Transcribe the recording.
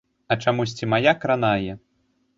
А чамусьці мая кранае.